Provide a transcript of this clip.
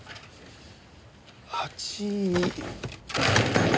「８２」。